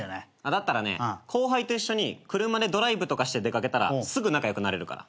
だったらね後輩と一緒に車でドライブとかして出掛けたらすぐ仲良くなれるから。